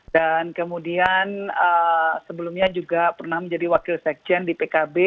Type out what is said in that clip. dan kemudian sebelumnya juga pernah menjadi wakil sekjen di pkb